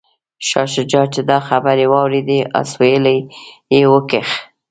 شاه شجاع چې دا خبرې واوریدې اسویلی یې وکیښ.